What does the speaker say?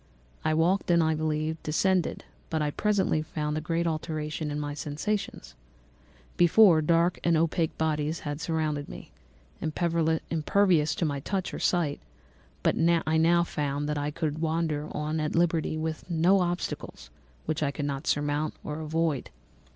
I walked and, I believe, descended, but I presently found a great alteration in my sensations. Before, dark and opaque bodies had surrounded me, impervious to my touch or sight; but I now found that I could wander on at liberty, with no obstacles which I could not either surmount or avoid.